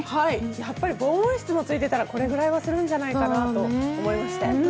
やっぱり防音室もついていたら、このぐらいはするんじゃないかなと思いまして。